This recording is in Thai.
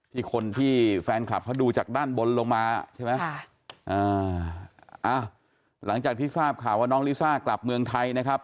ที่คนที่แฟนคลับเขาดูจากด้านบนลงมาใช่ไหมค่ะอ่าอ้าวหลังจากที่ทราบข่าวว่าน้องลิซ่ากลับเมืองไทยนะครับ